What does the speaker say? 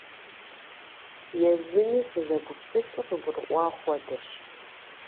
Езыми сызэгупсысыр къыгурыӀуа хуэдэщ.